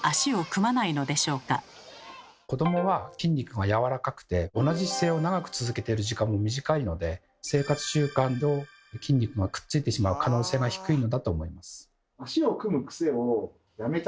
子どもは筋肉がやわらかくて同じ姿勢を長く続けている時間も短いので生活習慣上筋肉がくっついてしまう可能性が低いのだと思います。